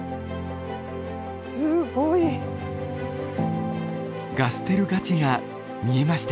すごい。ガステルガチェが見えました。